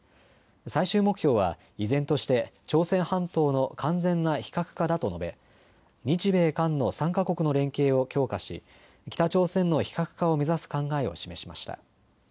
最終目標は依然として朝鮮半島の完全な非核化だと述べ日米韓の３か国の連携を強化し北朝鮮の非核化を目指す考えを示しました。